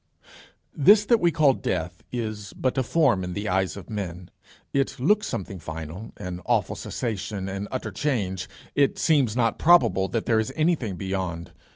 This that we call death, is but a form in the eyes of men. It looks something final, an awful cessation, an utter change. It seems not probable that there is anything beyond.